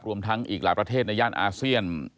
รวมทั้งอีกหลายประเทศในย่านอาเซียน